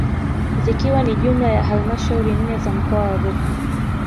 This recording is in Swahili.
Zikiwa ni jumla ya halmashauri nne za mkoa wa Rukwa